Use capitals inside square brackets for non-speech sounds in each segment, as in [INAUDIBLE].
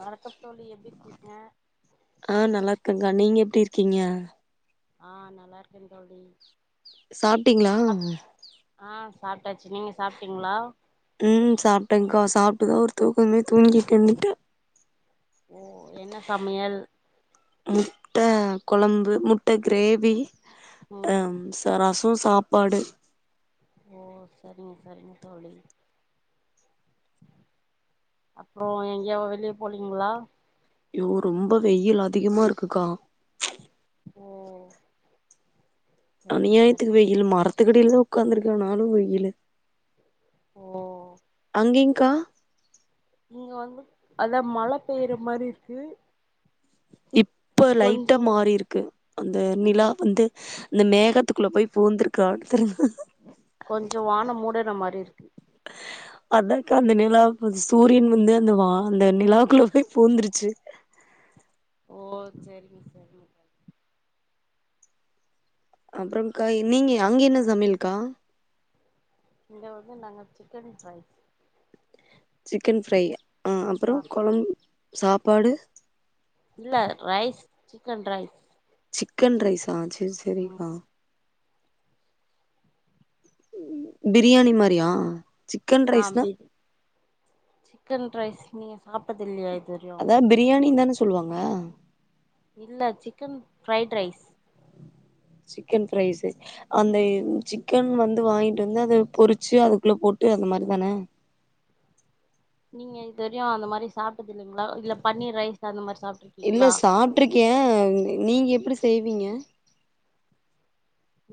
வணக்கம் தோழி எப்டிருக்கீங்க ஆ நல்லாருக்கேக்கா நீங்க எப்டி இருக்கீங்க ஆ நல்லாருக்கேன் தோழி சாப்ட்டீங்களா சாப்ட்டச்சு ம் சாப்ட்டேக்கா இப்ப தா ஒரு தூக்கமே தூங்கிட்டு வந்துட்ட ஓ என்ன சமையல் முட்ட கொழம்பு முட்ட கிரேவி ஆ ம் ச ரஸ் சாப்பாடு ஓ சரிங்க சரிங்க தோழி அப்றோ எங்கயா வெளிய போலிங்களா யோ ரொம்ப வெயில் அதிகமா இருக்குக்கா ஓ சரிங்க அநியாயத்துக்கு சரிங்க வெயில் மர த்துக்கடில தா உக்காந்துருக்கே ஆனாலும் வெயிலு ஓ அங்கெங் க்கா இங்க வந்து அதா மழ பெய்ற மாரி இருக்கு இப் இப்ப லைட்டா கொஞ்சோ மாறிருக்கு அந்த நிலா ம் வந்து இந்த மேகத்துக்குள்ள போய் பூந்துருக்கான்னு தெர்ல கொஞ்சோ வானோ மூடுன மாரி இருக்கு அதாக்கா அந்த நிலா சூரியன் வந்து அந்த வா அந்த நிலாக்குள்ள போய் பூந்துருச்சு ஓ சரிங்க சரிங்க அப்றோக்கா நீங்க அங்க என்ன சமையல்கா இங்க வந்து நாங்க சிக்கன் ரைஸ் சிக்கன் ஃப்ரை ஆ அப்பறோ கொழம் சாப்பாடு இல்ல ரைஸ் சிக்கன் ரைஸ் சிக்கன் ரைஸா செரி ம் செரிக்கா பிரியாணி மாரியா சிக்கன் ரைஸ்னா ஆம்பி சிக்கன் ரைஸ் நீங்க சாப்டது இல்லயா இ அதா பிரியாணிந்தான சொல்லுவாங் ங்க இல்ல chicken fried rice chicken fresh அந்த சிக்கன் வந்து வாங்கிட்டு வந்து அத பொறிச்சு அதுக்குள்ள போட்டு அந்த மாறி தான நீங்க இதொரியு அந்த மாறி சாப் டது இல்லைங்களா இல்ல பன்னீர் ரைஸ் அந்த மாறி சாப்ட்டு இல்ல இருக்கீங்களா செய்விங்க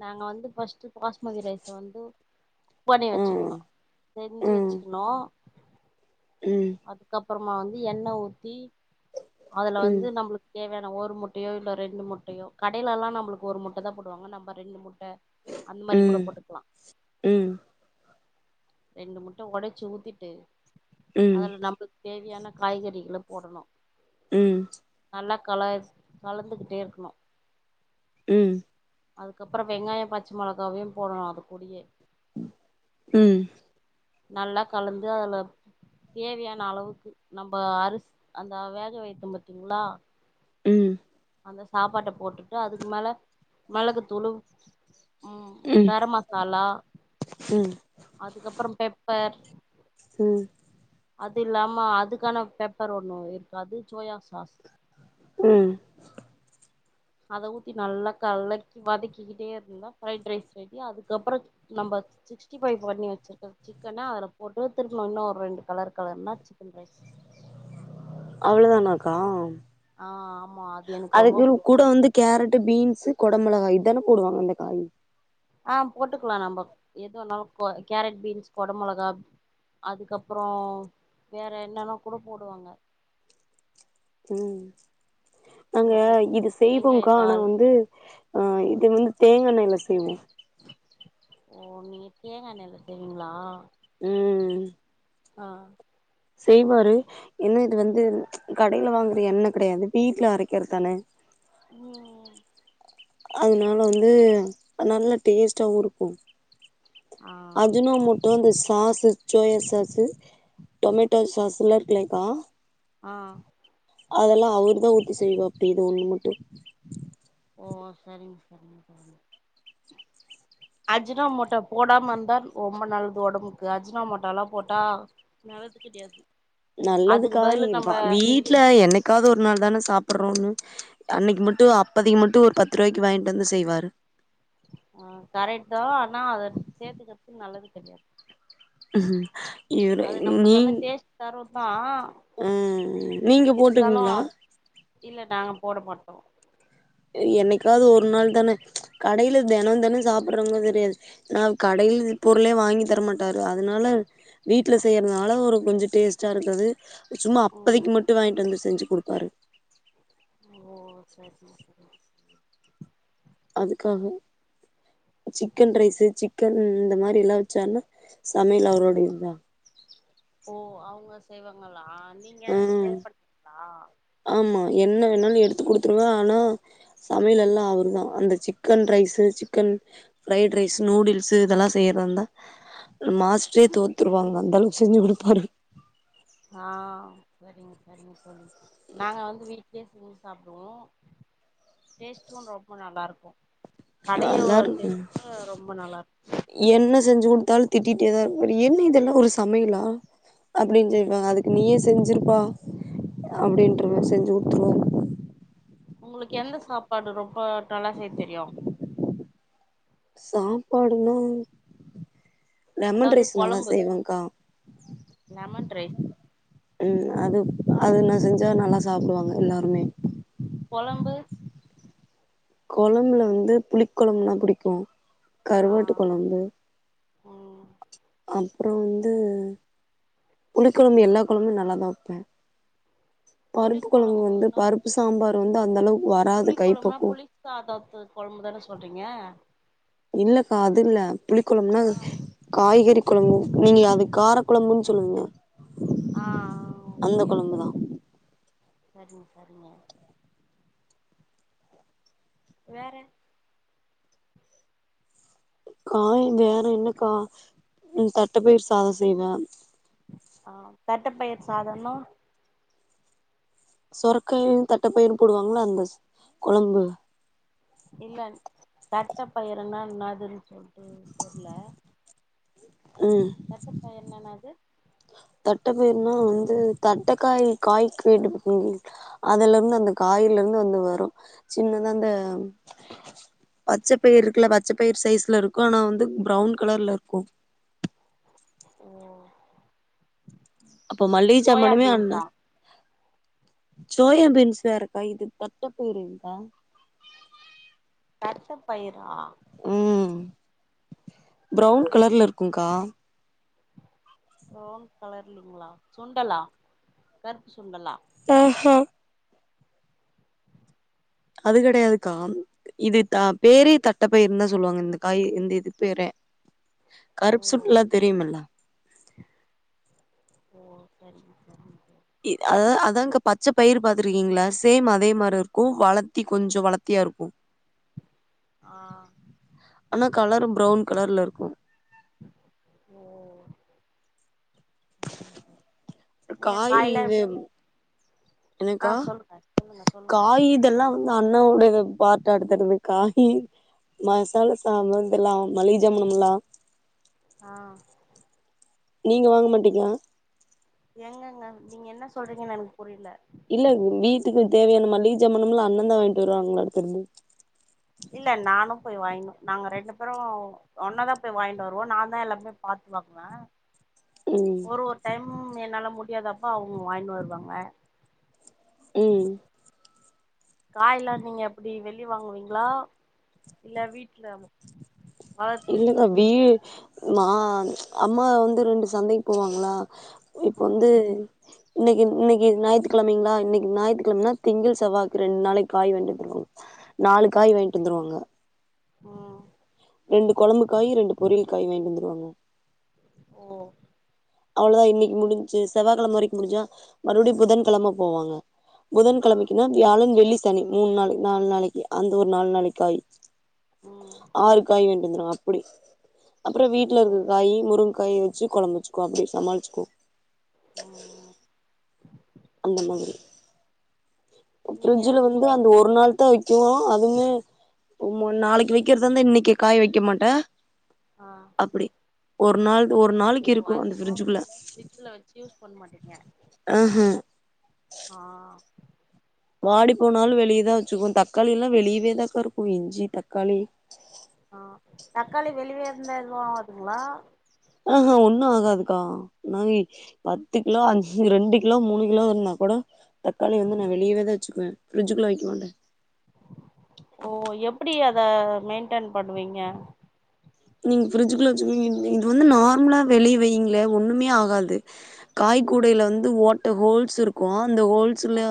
நாங்க வந்து பஸ்ட் பாஸ்மதி ரைஸ் வந்து க் பண்ணி ம் வச்சுரோந்தோ செஞ்சி வச்சுக்கணு உம் அப்பறமா வந்து எண்ண ஊத்தி அதுல ம் வந்து நம்ளுக்கு தேவயான ஒரு முட்டையோ இல்ல ரெண்டு முட்டையோ கடைலயெல்லா நம்ளுக்கு ஒரு முட்டை தா போடுவாங்க நம்ப ரெண்டு முட் ட அந்த மாறி கூட ம் போட்டுக்லா ம் ரெண்டு முட்ட ஒடச்சி ஊத்திட்டு ம் அதுல நம்ளுக்கு தேவையான காய்கறிகள போடணு உம் நல்லா கல கலந்துகிட்டே இருக்கணு ம் ம் அதுக்கப்பறோ வெங்காயோ பச் மொளகாவையு போடணு அது கூடயே ம் நல்லா கலந்து அதுல தேவையான அளவுக்கு நம்ம அரிசி அந்த வேக வைத்தம் பத்தீங்களா உம் அந்த சாப்பாட்ட போட்டுட்டு அதுக்கு மேல மிளகு துளு கரம் மசாலா அதுக்கப்பறே பெப்பர் உம் அது இல்லாம அதுக்கான பெப்பர் ஒண்ணு இருக்கு அது சோயா சாஸ் உம் அத ஊத்தி நல்லா கலக்கி வதக்கிக்கிட்டே இருந்தா ப்ரைட் ரைஸ் ரெடி அதுக்கப்றோ நம்ம சிக்ஸ்டி பைவ் பண்ணி வச்சிருக்க சிக்கன அதுல போட்டு திருக்கணும் இன்னு ஒரு ரெண்டு கலர் கலர்னா சிக்கன் ரைஸ் அவ்ளோவுதானாக்கா ஆ ஆமா அது எனக்கு ரொம்ப பிடிக்கும் பீன்ஸ் குடமிளகாய் இதானே போடுவாங்க ந்த காய் எதுவேணாலு கேரட் பீன்ஸ் குட மிளகா அதுக்கப்புறோ வேற என்னன்னா கூட போடுவாங்க ம் நாங்க சில பேர் இது செய்வோக்கா ஆனா தேங்காய்த்தாள் வந்து ஆ இது வந்து தேங்கயெண்ணலே செய்வோ ஓ நீங்க தேங்கயெண்ணலே செய்வீங்களா ம் ஆ செய்வாரு என்னா இது வந்து கடையில வாங்குற எண்ண கெடையாது வீட்ல அரக்கிறது தான ம் அதனால வந்து நல்ல டேஸ்டாவு இருக்கூ ஆ அஜினமோட் இந்த சாசு சோயா சாசு டொமேட்டோ சாஸ்லா [UNINTELLIGIBLE] ஆ அதெல்லாம் அவர் தான் ஊத்தி செய்வோ அப்டின்னு இது ஒன்னு மட்டும் அஜினா மோட்டோ போடாம இருந்தா ரொம்ப நல்லது ஒடம்புக்கு அஜினா மோட்டோலா போட்டா நல்லது கெடையாது அதுக்கு நல்லதுக்கா பதிலு நம்ப வீட்டல என்னக்காது ஒரு நாள் தான சாப் றோ அன்னைக்கு மட்டும் அப்தைக்கு மட்டும் ஒரு பத்து ரூவாய்க்கு வாங்கிட்டு வந்து செய்வாரு ஆ கரெட் தான் ஆனா அத சேத்துக்கிறதுக்கு நல்லது செரியா இவரு அது நம்பளுக்கு வந்து டேஸ்ட் தரும் ஆ ம் நீங்க போட்டுறிங்ளா இல்ல நாங்க போட மாட்டோ என்னைக்காவது ஒரு நாள் தான கடையில தெனம் தெனம் சாப்பிடுறவங்க தெரியாது நான் கடையில பொருளே வாங்கி தரமாட்டாரு அதனால வீட்டுல செய்யறதுனால ஒரு கொஞ்சம் டேஸ்ட்டா இருக்குது சும்மா ம் அப்பதைக்கு மட்டும் வாங்கிட்டு வந்தது செஞ்சி குடுப்பாரு ஓ செரி செரி அதுக்காக சிக்கன் ரைஸு சிக்கன் இந்த மாரில்லா வச்சான்னா சமைல் அவரோட இதா ஓ அவுங்க செய்வாங்களா நீங்க ஆ ஹெல்ப் பண்வீங்ளா ஆமா என்ன வேணாலு எடுத்து குடுத்துருவே ஆனா சமையலெல்லா அவரு தான் அந்த chicken rice chicken fried rice noodles இதெல்லா செய்றாந்தா மாஸ்ட்றே தோத்துருவாங்க அந்த அளவுக் செஞ்சி குடுப்பாரு ஆஹ் செரிங்க செரிங்க தோழி நாங்க வந்து வீட் பேஸ்மோது சாப்டுவோ டேஸ்ட்டு ரொம்ப நல்லா இருக்கும் கடையோ நல்லாருக்கு டேஸ்ட் கூட ரொம்ப நல்லா இரு திட்டிட்டேதான் இருக் என்ன இதெல்லாம் ஒரு சமையெலா அப்டின் சொய்ப்பா அதுக்கு நீயே செஞ்சிர்ப்பா அப்டின்றுவ செஞ்சி குடுத்துருவாரு உங்களுக்கு எந்த சாப்பாடு ரொம்ப டொலாஹே தெரியும் சாப்பாடுனா லெமன் அதாவது ரைஸ் நல்லா கொழம்பு செய்வேங்கா லெமன் ரைஸ் உம் அது அது நா செஞ்சா நல்லா சாப்டுவாங்க எல்லாருமே கொழம்பு கொழம்புல வந்து புளிக் கொழம்புனா புடிக்கும் ஆ கருவாட்டு கொழம்பு ம் அப்றோ வந்து புளி கொழம்பு எல்லா கொழம்ப்மே நல்லாதா வெப்பேன் புளி பருப்பு கொழம்பு வந்து கொழம்புன்னா பருப்பு சாம்பாரு வந் து அந்தளவு புளி கொழம்புனா புளி சாதத்து கொழம்புதான சொல்றீங்க இல்லக்கா அது இல்ல புளிக்கொழம்புனா ஆ காய்கெறி கொழம்பும் நீங்க அது கார கொழம்புன்னு சொல்லுவீங்க ஆஹ் ஓகே அந்த ஓ கொழம்புதா சரிங்க சரிங்க வேற காய் வேற என்னக்கா உம் தட்டப்பயிர் சாத செய்வேன் ஆஹ் தட்டப்பயிர் சாதனா சொரக்காயும் தட்டப்பயிறும் போடுவாங்களா அந்த ச கொழம்பு இல்ல தட்ட பயிறுனா இண்ணாதுன் சொல்ட்டு தெர்லெ ம் தட்டப்பயிர்ன் என்னாது தட்டப்பயிர்னா வந்து தட்டக்காய் காய் காய்கு எடுப்பு அதுல இருந்து அந்த காயல இருந்து வந்து வரும் சின்னதா அந்த பச்ச பயிர் இருக்குல பச்ச பயிர் சைஸ்ல இருக்கும் ஆனா வந்து ப்ரௌன் கலர்ல இருக்கும் ஓ அப்போ மல்லிக சோயா ஜாமனுமே அந்த பீன்ஸா சோயம்பீன்ஸ் வேறக்கா இது தட்டபயிறுங்கா தட்ட பயிரா ம் ஓ ப்ரௌன் கலர்ல இருக்குங்கா ப்ரோன் கலர் இல்லீங்ளா சுண்டலா கருப்பு சுண்டலா ஹாக்கா அது கிடையாதுக்கா இது த பேரு தட்டப்பயரு தா சொல்லுவாங்க இந்த காய் இந்த இது பேரே ஓ கருப்பு சுண்டல்னா தெரியுமுல்ல ஓ சரிங்க சரிங்க தோழி அத அதாங்க பச்ச பயிரு பாத்துருக்கீங்களா சேம் அதே மாரி இருக்கூ வளத்தி கொஞ்சோ வளத்தியா இருக்கூ ஆ ஆனா கலர் ப்ரவுன் கலர்ல இருக்கும் ஓ சரிங்க தோழி நீங்க காய் காய்லா இது எப்டி ஆ என்னக்கா சொல்லுங்க சொல்லுங்க சொல்லுங்க காய் இதெல்லாம் அண்ணாவுடைய பாட்ட எடுத்துறது காய் மசாலா சாமா இதெல்லா மளிக ஜாமான்கலெல்லா ஆ நீங்க வாங்க மாட்டீங்ளா எங்கங்க நீங்க என்ன சொல்றீங்கன்னு எனக்கு புரியல இல்ல வீட்டுக்கு தேவையான மளிஹ் ஜாமானுலா அண்ணே தா வாங்கிட்டு வருவாங்களா கேட்டேன் இல்ல நானு போய் வாயினு நாங்க ரெண்டு பேரும் ஒன்னதா போய் வாங்கிட்டு வருவோ நா தான் எல்லாமே பாத்து வாங்குவே ம் ஒரு ஒரு டைம் என்னால முடியாதப்ப அவுங்க வாங்கினு வருவாங்க உம் காயிலா நீங்க எப்புடி வெளிய வாங்குவீங்களா இல்ல வீட்டுல இல்ல கா வீ நா அம்மா வந்து ரெண்டு சந்தைக் போவாங்களா இப்ப வந்து ம் இன்னைக்கி இன்னைக்கி ஞாயித்துக்கிழமைங்களா இன்னைக்கு ஞாயித்துக்கிழமனா திங்கள் செவ்வாக்கு ரெண்டு நாளைக்கு காய் வாங்கிட் வந்துருக்கு நாலு காய் வாங்கிட்டு வந்துருவாங்க உம் ரெண்டு கொழம்பு காய் ரெண்டு பொரியல் காய் வாங்கிட்டு வந்துருவாங்க ஓ அவ்ளோதா இன்னைக்கு முடுன்ச்சு செவ்வாக்கிழம வரைக்கு முடிஞ்சா மறுபடியு புதன்கிழம போவாங்க புதன் கிழமக்கினா வியாழன் வெள்ளி சனி மூணு நாளு நாலு நாளைக்கு அந்த ஒரு நாலு நாளைக்கு காய் ம் ஆறுக்காய் வேணூ வந்துரு அப்புடி அப்புறோ வீட்டுல ஓ இருக்க காய் முருங்க காய் வச்சு கொழம்பு வச்சு அப்புடி சமாளிச்சுக்குவோ ம் அந்த மாதிரி நீங்க ஃப்ரிட்ஜுல உங்க வந்து வீட் அந்த ஒரு நாள் தா நா அதுமே நொம்ம நாளைக்கு வக்கிறதாருந்த இன்னைக்கி காய் வைக்க மாட்டே ஆஹ் அப்டி ஒரு நாள் ஒரு நாளைக்கு ஓ இருக்கு அந்த அதிகமா ஃப்ரிட்ஜுக்குள்ள ஃப்ரிஜுல வச்சு யூஸ் பண்ண மாட்டிங்க. ஆஹ ஆஹ்... வாடி போனாலு வெளியதான் வச்சுக்குவோ தக்காளிலா வெளியவேதாக்காருக்கு இஞ்சி தக்காளி ஆஹ் தக்காளி வெளிய இருந்தா எதும் ஆதுங்களா ஆஹ்ஹா.. ஒண்ணு ஆகாதுக்கா. பத்து கிலோ அ ரெண்டு கிலோ மூணு கிலோ இருந்தா கூட தக்காளி வந்து ம் நா வெளியவேதான் வச்சுக்குவே ஃப்ரிட்ஜுக்குள்ள வக்கமாட்டே ஓ எப்டி அத மெயின்டென் பண்ணுவீங்க நீங்க ஃப்ரிஜுக்குள்ள வச்சுகுவிங்க இது வந்து நார்மலா வெளிய வைங்களே ஒண்ணுமே ஆகாது. காய்கூடையில வந்து ஓட்ட ஹோல்ஸிருக்கு அந்த ஹோல்ஸ்ல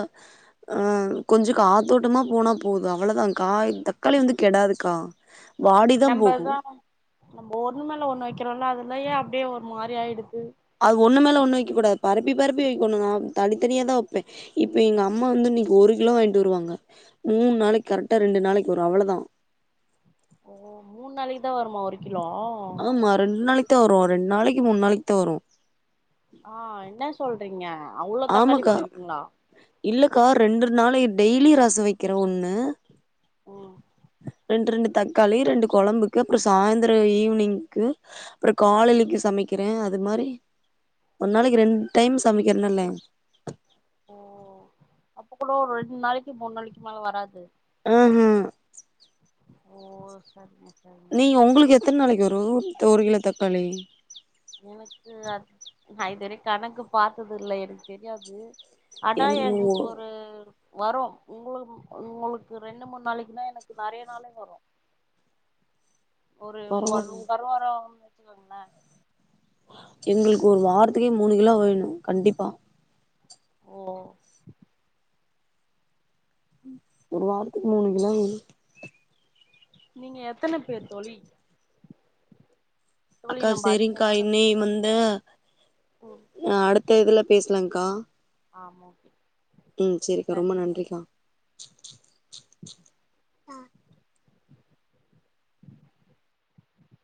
ஆஹ் கொஞ்சொம் காத்தோட்டமா போனா போதும் அவ்ளோதா காய் தக்காளி வந்து கெடாதுக்கா வாடிதான் போகும் நம்பதா நம்ம ஒண்ணு மேல ஒண்ணு வக்றோம்ல அதுலயே அப்டியே ஒரு மாரி ஆயிடுது. அது ஒண்ணு மேல ஒண்ணு வக்கக் கூடாது. பரப்பி பரப்பி வக்கணும். நா தனித்தனியா தான் வப்பேன். இப்ப எங்க அம்மா வந்து இன்னைக்கு ஒரு கிலோ வாய்ங்ட்டு வருவாங்க. மூணு நாளைக்கு கரெக்டா ரெண்டு நாளைக்கு வரும் அவ்வளதான். ஓ மூணு நாளிக்கு தா வருமா ஒரு கிலோ ஆமா ரெண்டு நாளிக்கு தா வரும் ரெண்டு நாளிக்கு மூணு நாளிக்கு தா வரும் ஆஹ் என்ன சொல்றீங்க அவ்ளோ தக்காளி ஆமக்கா போடுவீங்களா இல்லக்கா ரெண்டு நாளை டெய்லி ரசோ வக்கிறே ஒண்ணு ம் ரெண்டு ரெண்டு தக் காளி ரெண்டு கொழம்புக்கு அப்றொம் சாந்த்ரம் ஈவ்னிங்க்கு அப்றம் ம் காலைலைலுக்கு சமைக்க ஆ அது மாரி ஒரு நாளிக்கு ரெண்டைம் சமைக்கிறேனல்ல ஓ அப்ப கூடவா ஒரு ரெண்டு நாளிக்கு மூணு நாளிக்கு மேல வராது ஆஹ் ஹா ஓ செரிங்க நீ ஒங்களுக்கு எத்தன் நாளிக்கு வரும் ஒரு கிலோ தக்காளி எனக்கு அ நா இதுவரைக் கணக்கு பாத்ததில்ல எனக் தெரியாது அனா எனக்கு எனக்கொரு.. வரும் உங்க உங்களுக்கு ரெண்டு மூண் நாளிக்குனா எனக்கு நறைய நாளும் வரும். ஒரு ஒன் பரவால்ல தாரு வர [INAUDIBLE] எங்களுக்கு ஒரு வாரத்துக்கே மூணு கிலோ வேணும் கண்டிப்பா ஓ ஒரு வாரத்துக்கு மூணு கிலோ வேணும் நீங்க எத்தன பேர் தோழி தோழி அக்கா நம்ம சரிங்க அதிகமாக இனி வந்து ம் ஆஹ் அடுத் இதுல பேசலாங்க்கா ஆமா ஓகே உம் சரிக்கா ரொம்ப நன்றி நன்றிக்கா